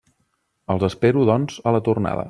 Els espero, doncs, a la tornada.